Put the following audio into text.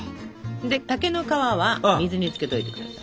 で竹の皮は水につけておいてください。